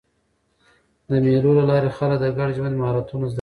د مېلو له لاري خلک د ګډ ژوند مهارتونه زده کوي.